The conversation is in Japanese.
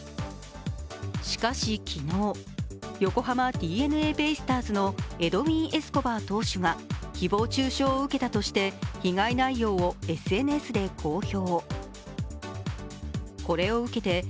しかし昨日、横浜ＤｅＮＡベイスターズのエドウィン・エスコバー投手が誹謗中傷を受けたとして被害内容をＳＮＳで公表。